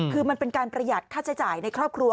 คือมันเป็นการประหยัดค่าใช้จ่ายในครอบครัว